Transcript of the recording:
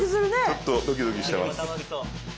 ちょっとドキドキしてます。